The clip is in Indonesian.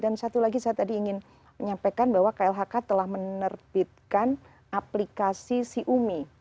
dan satu lagi saya tadi ingin menyampaikan bahwa klhk telah menerbitkan aplikasi siumi